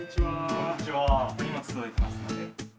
こんにちはお荷物届いてますので。